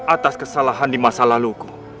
atas kesalahan di masa laluku